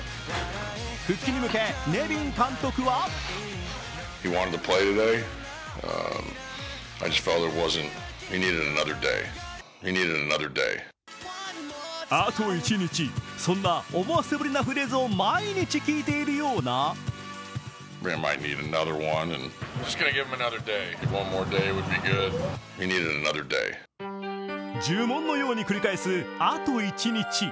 復帰に向け、ネビン監督はあと１日、そんな思わせぶりなフレーズを毎日聞いているような呪文のように繰り返す、あと１日。